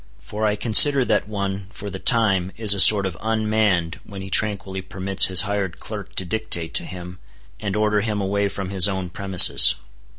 For I consider that one, for the time, is a sort of unmanned when he tranquilly permits his hired clerk to dictate to him, and order him away from his own premises.